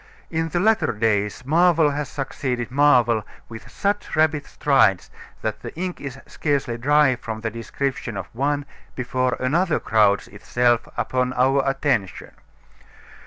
In the latter days marvel has succeeded marvel with such rapid strides that the ink is scarcely dry from the description of one before another crowds itself upon our attention.